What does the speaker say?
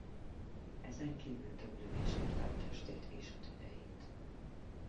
Ezen kívül több lövés érte a testét és a tüdejét.